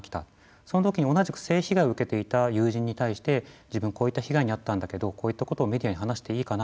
そのときに同じく性被害を受けていた友人に対して自分こういった被害に遭ったんだけどこういったことをメディアに話していいかな。